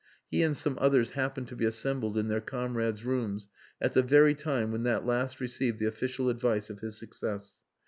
He and some others happened to be assembled in their comrade's rooms at the very time when that last received the official advice of his success.